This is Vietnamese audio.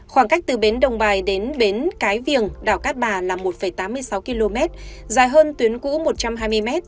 khoảng cách từ bến đồng bài đến bến cái viềng đảo cát bà là một tám mươi sáu km dài hơn tuyến cũ một trăm hai mươi m